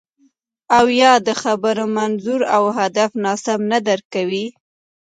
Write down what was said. او یا د خبرو منظور او هدف ناسم نه درک کوئ